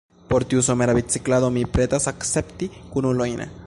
Por tiu somera biciklado mi pretas akcepti kunulojn.